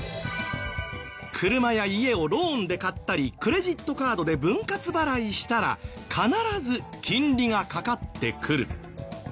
車や家をローンで買ったりクレジットカードで分割払いしたら必ず金利がかかってくる。